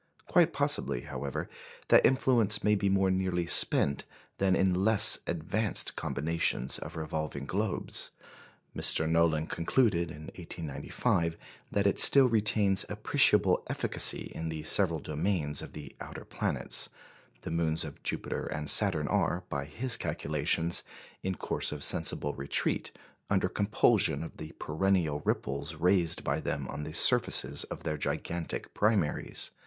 Quite possibly, however, that influence may be more nearly spent than in less advanced combinations of revolving globes. Mr. Nolan concluded in 1895 that it still retains appreciable efficacy in the several domains of the outer planets. The moons of Jupiter and Saturn are, by his calculations, in course of sensible retreat, under compulsion of the perennial ripples raised by them on the surfaces of their gigantic primaries.